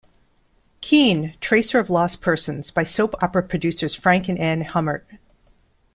Keen, Tracer of Lost Persons, by soap opera producers Frank and Anne Hummert.